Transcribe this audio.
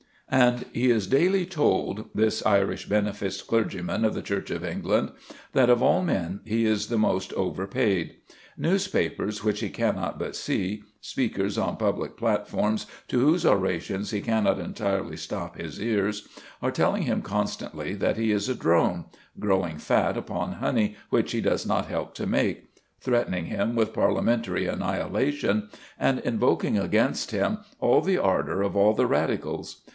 And he is daily told, this Irish beneficed clergyman of the Church of England, that of all men he is the most overpaid. Newspapers which he cannot but see, speakers on public platforms to whose orations he cannot entirely stop his ears, are telling him constantly that he is a drone, growing fat upon honey which he does not help to make, threatening him with Parliamentary annihilation, and invoking against him all the ardour of all the Radicals.